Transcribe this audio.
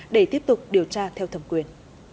để tiếp tục điều tra theo thẩm quyền